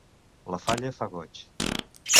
La falla fa goig.